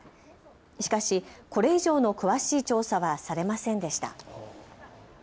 しかし、これ以上の詳しい調査はされませんでした。